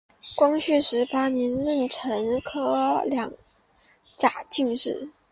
光绪十八年壬辰科二甲进士。